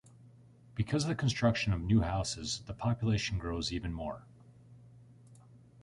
Because of the construction of new houses the population grows even more.